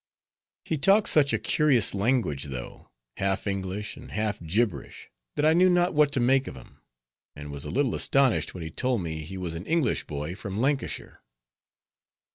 He talked such a curious language though, half English and half gibberish, that I knew not what to make of him; and was a little astonished, when he told me he was an English boy, from Lancashire.